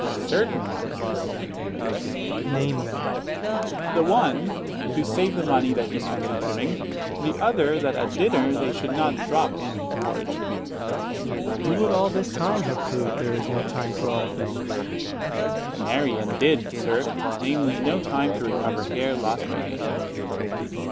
Dro. S. Certain ones, then. Ant. S. Name them. 95 Dro. S. The one, to save the money that he spends in trimming; the other, that at dinner they should not drop in his porridge. Ant. S. You would all this time have proved there is no time for all things. 100 Dro. S. Marry, and did, sir; namely, no time to recover hair lost by nature.